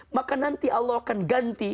maka nanti allah akan ganti